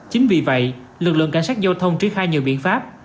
chính vì vậy lực lượng cảnh sát giao thông triển khai nhiều biện pháp